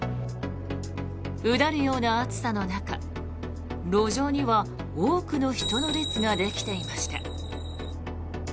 うだるような暑さの中路上には多くの人の列ができていました。